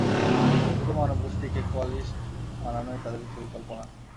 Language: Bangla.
পুরো মানবগোষ্ঠীকে কোয়ালিস্ট বানানোই তাদের পরিকল্পনা।